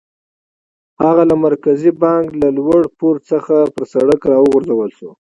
هغه له مرکزي بانک له لوړ پوړ څخه پر سړک را وغورځول شو.